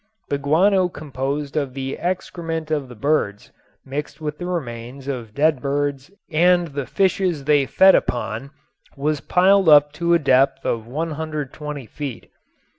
The guano composed of the excrement of the birds mixed with the remains of dead birds and the fishes they fed upon was piled up to a depth of 120 feet.